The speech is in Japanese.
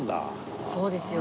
そうですよ。